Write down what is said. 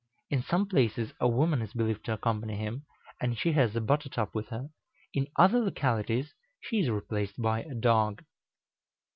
In some places a woman is believed to accompany him, and she has a butter tub with her; in other localities she is replaced by a dog.